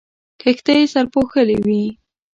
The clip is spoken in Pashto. کښتۍ سرپوښلې وې.